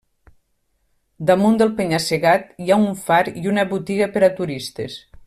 Damunt del penya-segat hi ha un far i una botiga per a turistes.